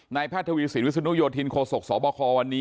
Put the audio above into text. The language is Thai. ในพระทวิสินวิสุนุโยธินโคศกสบวันนี้